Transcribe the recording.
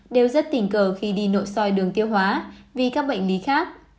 đều rất tình cờ khi đi nội soi đường tiêu hóa vì các bệnh lý khác